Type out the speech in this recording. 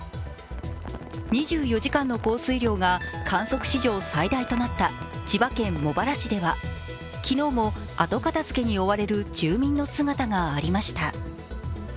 ２４時間の降水量が観測史上最大となった千葉県茂原市では昨日も後片づけに追われる住民の姿がありました。